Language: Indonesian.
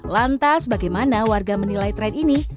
lantas bagaimana warga menilai tren ini